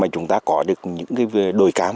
chúng ta có được những cái đôi cám